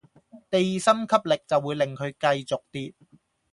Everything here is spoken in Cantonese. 地心吸力就會令佢繼續跌